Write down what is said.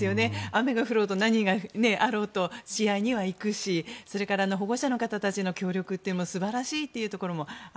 雨が降ろうと何があろうと試合にはいくしそれから保護者の方たちの協力も素晴らしいですね。